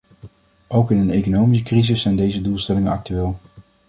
Ook in een economische crisis zijn deze doelstellingen actueel.